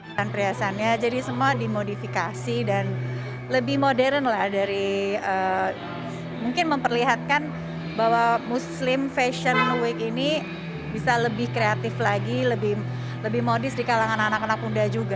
dan priasannya jadi semua dimodifikasi dan lebih modern lah dari mungkin memperlihatkan bahwa muslim fashion week ini bisa lebih kreatif lagi lebih modis di kalangan anak anak muda juga